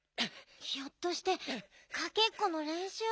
ひょっとしてかけっこのれんしゅう？